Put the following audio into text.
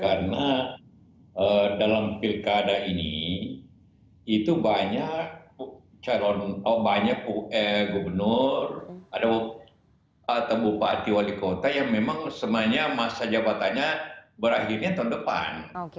karena dalam pilkada ini itu banyak gobernur atau bupati wali kota yang memang semuanya masa jabatannya berakhirnya tahun depan